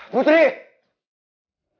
putri aku nolak